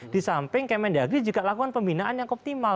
disamping kmn diagri juga lakukan pembinaan yang optimal